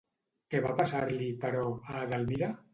Què va passar-li, però, a Edelmira?